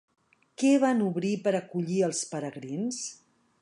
Què van obrir per acollir els peregrins?